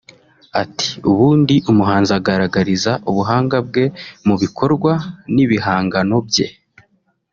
Ati “ Ubundi umuhanzi agaragariza ubuhanga bwe mu bikorwa n’ibihangano bye